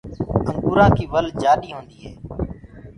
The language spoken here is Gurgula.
انگوُرآنٚ ڪيٚ ول جآڏي هوندي هي۔